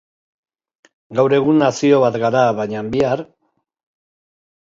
Gaur egun nazio bat gara, baina bihar?